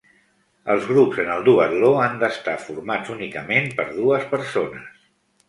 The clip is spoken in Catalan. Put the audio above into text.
Els grups en el duatló han d'estar formats únicament per dues persones.